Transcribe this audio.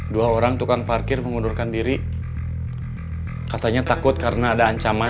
dua orang tukang parkir mengundurkan diri katanya takut karena ada ancaman